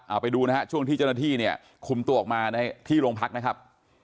เอาไปดูนะฮะช่วงที่เจ้าหน้าที่เนี่ยคุมตัวออกมาในที่โรงพักนะครับ